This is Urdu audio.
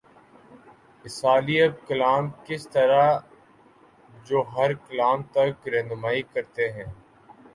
اسالیب کلام کس طرح جوہرکلام تک راہنمائی کرتے ہیں؟